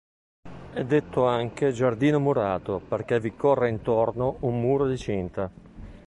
È detto anche giardino murato perché vi corre intorno un muro di cinta.